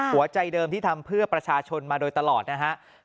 หัวใจเดิมที่ทำเพื่อประชาชนมาโดยตลอดนะฮะ